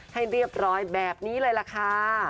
ให้เรียบร้อยแบบนี้เลยล่ะค่ะ